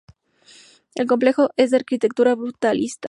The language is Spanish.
El complejo es de arquitectura brutalista.